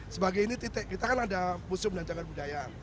sebagai ini kita kan ada museum dan jangkaan budaya